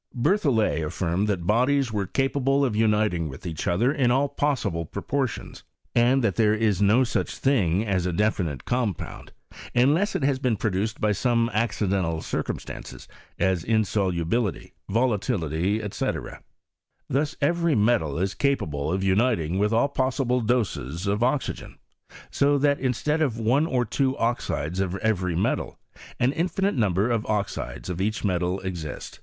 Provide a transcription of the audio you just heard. Berthollet affirmed that bodies were capable of uniting with each other in all possible proportions, and that there is no such thing as a definite com pound, unless it has been produced by some acci dental circumstances, as insolubility, volatility, &c. Thus every metal is capable of uniting with all possible doses of oxygen. So that instead of one or two oxides of every metal, an infinite number of oxides of each metal exist.